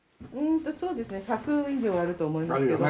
そうですね１００以上あると思いますけど。